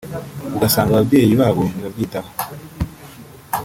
ugasanga ababyeyi babo ntibabyitaho